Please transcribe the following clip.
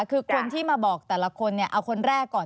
คือคนที่มาบอกแต่ละคนเนี่ยเอาคนแรกก่อน